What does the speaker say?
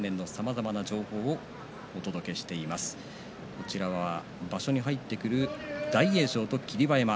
こちらは場所に入ってくる大栄翔と霧馬山。